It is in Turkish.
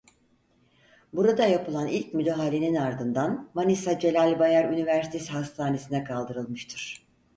Burada yapılan ilk müdahalenin ardından Manisa Celal Bayar Üniversitesi Hastanesi'ne kaldırılmıştır.